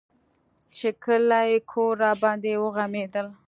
چې کلى کور راباندې وغمېدل.